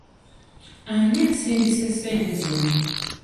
Ani asindise ssente zino?